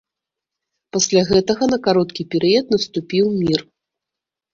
Пасля гэтага на кароткі перыяд наступіў мір.